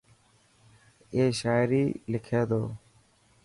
اي شاعري لکي ٿو.